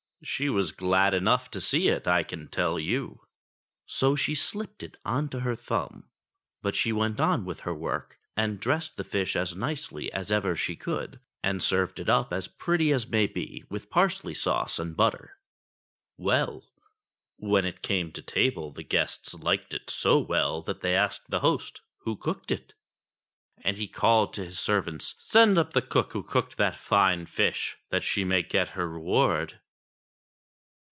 She was glad enough to see it, I can tell you ; so she slipped it on to her thumb. But she went on with her work, and dressed the fish as nicely as ever she could, and served it up as pretty as may be, with parsley sauce and butter. Well ! when it came to table the guests liked it so well that they asked the host who cooked it .? And he called to his servants, "Send up the cook who cooked that fine fish, that she may get her reward."